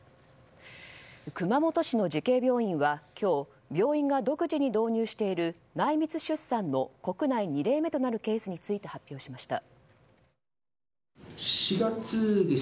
熊本市の慈恵病院は今日病院が独自に導入している内密出産の国内２例目となるケースについて発表しました。